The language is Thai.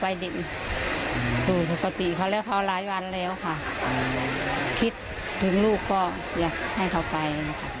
ผมจะตอบตกลงเพราะฉะนั้นเวลาที่เรายอดหน่วย